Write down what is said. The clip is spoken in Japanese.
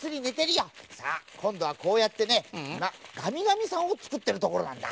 さあこんどはこうやってねがみがみさんをつくってるところなんだ。